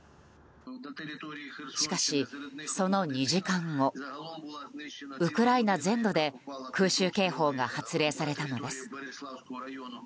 しかし、その２時間後ウクライナ全土で空襲警報が発令されたのです。